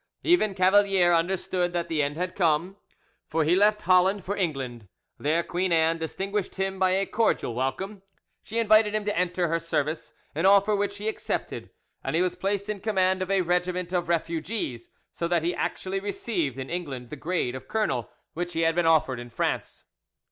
Even Cavalier understood that the end had come, for he left Holland for England. There Queen Anne distinguished him by a cordial welcome; she invited him to enter her service, an offer which he accepted, and he was placed in command of a regiment of refugees; so that he actually received in England the grade of colonel, which he had been offered in France.